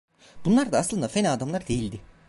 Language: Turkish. Bunlar da aslında fena adamlar değildi…